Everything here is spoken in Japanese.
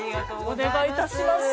お願い致します。